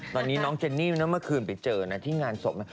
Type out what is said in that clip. ตอนนี้น้องเจนนี่เมื่อคืนไปเจอนะที่งานศพ